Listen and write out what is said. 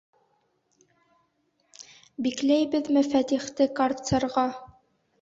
Бикләйбеҙме Фәтихте карцерға?